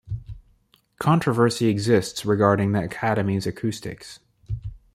Controversy exists regarding the Academy's acoustics.